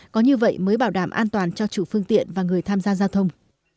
có như vậy mới bảo đảm an toàn cho chủ phương tiện và người tham gia giao thông